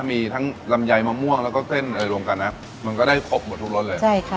มีทั้งลำไยมะม่วงแล้วก็เส้นอะไรรวมกันนะมันก็ได้ครบหมดทุกรสเลยใช่ค่ะ